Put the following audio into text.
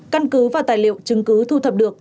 căn cứ và tài liệu chứng cứ thu thập được